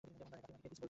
কাকীমাকে কি কিছু কইব?